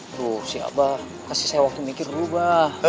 tuh si abah kasih saya waktu mikir dulu bah